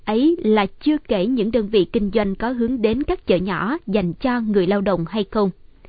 ấy là chưa kể những đơn vị kinh doanh có hướng đến các chợ nhỏ dành cho người lao động hay không